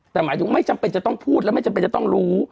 แต่หมายถึงไม่จำเป็นจะต้องพูดและไม่จำเป็นจะต้องรู้